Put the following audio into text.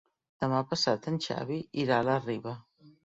Demà passat en Xavi irà a la Riba.